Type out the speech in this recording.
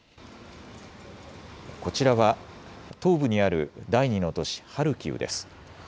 こちらは東部にある第２の都市ハルキウです。